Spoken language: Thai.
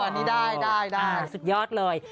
นี่ได้สุดยอดเลย